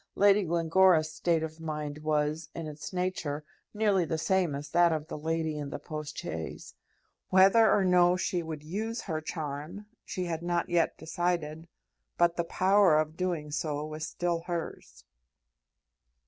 Lady Glencora's state of mind was, in its nature, nearly the same as that of the lady in the post chaise. Whether or no she would use her charm, she had not yet decided, but the power of doing so was still hers.